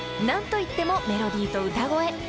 ［何といってもメロディーと歌声］